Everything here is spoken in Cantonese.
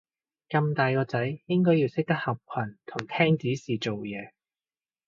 咁大個仔應該要識得合群同聽指示做嘢